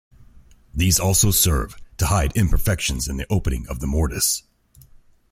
These also serve to hide imperfections in the opening of the mortise.